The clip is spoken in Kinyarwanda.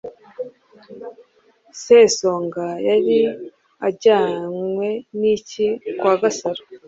Sesonga yari ajyanwe n’ iki kwa Gasaro?